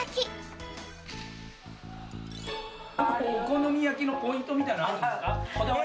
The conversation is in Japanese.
このお好み焼きのポイントみたいなものはあるんですか？